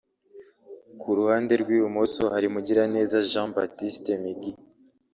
ku ruhande rw'ibumoso hari Mugiraneza Jean Baptiste(Migi)